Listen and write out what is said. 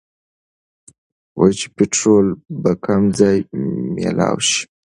چې پيټرول به کوم ځايې مېلاؤ شي